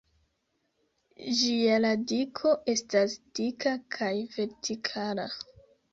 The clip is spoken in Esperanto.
Ĝia radiko estas dika kaj vertikala.